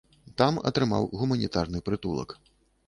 Там атрымаў гуманітарны прытулак.